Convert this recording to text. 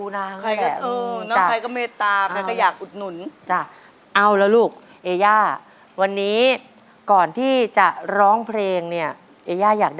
พันตัวหนึ่งพันตัว